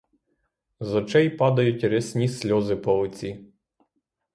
З очей падають рясні сльози по лиці.